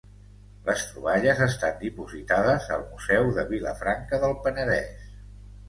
Les troballes estan dipositades al Museu de Vilafranca del Penedès.